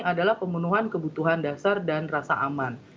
adalah pemenuhan kebutuhan dasar dan rasa aman